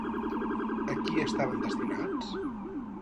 A qui estaven destinats?